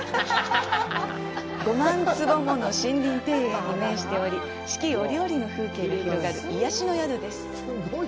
５万坪もの森林庭園に面しており四季折々の風景が広がる癒やしの宿です。